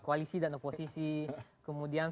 koalisi dan oposisi kemudian